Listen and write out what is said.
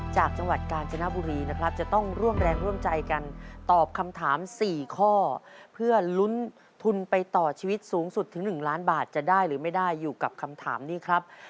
จังหวัดกาญจนบุรีนะครับจะต้องร่วมแรงร่วมใจกันตอบคำถาม๔ข้อเพื่อลุ้นทุนไปต่อชีวิตสูงสุดถึง๑ล้านบาทจะได้หรือไม่ได้อยู่กับคำถามนี้ครับ